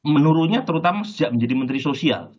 meluruhnya terutama sejak menjadi menteri sosial